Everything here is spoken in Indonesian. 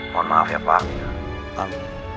mohon maaf ya pak